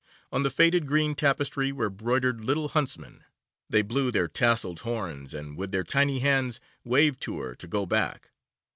On the faded green tapestry were broidered little huntsmen. They blew their tasselled horns and with their tiny hands waved to her to go back.